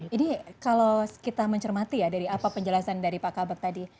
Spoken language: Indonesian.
jadi kalau kita mencermati ya dari apa penjelasan dari pak kabak tadi